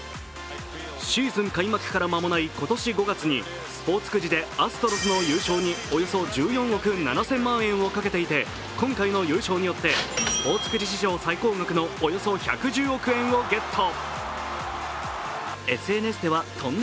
シーズン開幕から間もない今年５月に、スポーツくじでアストロズの優勝におよそ１４億７０００万円をかけていて、今回の優勝によってスポーツくじ史上最高額のおよそ１１０億円をゲット。